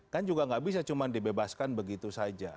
kan juga nggak bisa cuma dibebaskan begitu saja